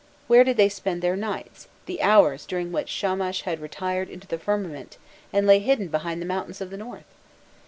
Where did they spend their nights, the hours during which Shamash had retired into the firmament, and lay hidden behind the mountains of the north?